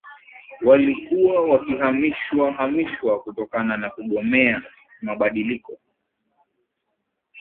walikuwa wakihamishwa hamishwa kutokana na kugomea mabadiliko